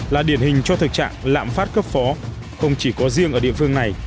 là điển hình cho thực trạng lạm phát cấp phó không chỉ có riêng ở địa phương này